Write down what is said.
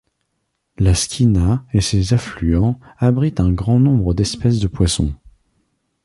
La Skeena et ses affluents abritent un grand nombre d'espèces de poissons.